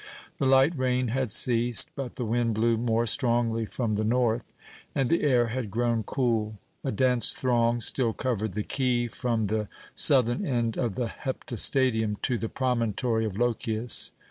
The light rain had ceased, but the wind blew more strongly from the north, and the air had grown cool. A dense throng still covered the quay from the southern end of the Heptastadium to the promontory of Lochias.